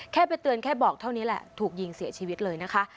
ไปเตือนแค่บอกเท่านี้แหละถูกยิงเสียชีวิตเลยนะคะ